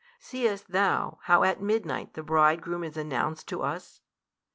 Seest thou how at midnight the Bridegroom is announced to us?